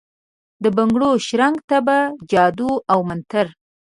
دبنګړو شرنګ ته ، په جادو اومنتر ،